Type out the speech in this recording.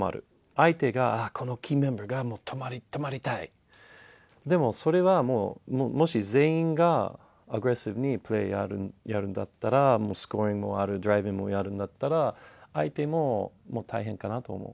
相手が、ああ、このキーメンバー、もう止まりたい、でもそれはもう、もし全員がアグレッシブにプレーやるんだったら、スコアもある、ドライビングもやるんだったら、相手も大変かなと思う。